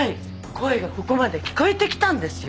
声がここまで聞こえてきたんですよ。